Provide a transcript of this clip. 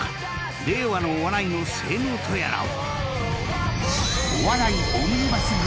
［令和のお笑いの性能とやらを］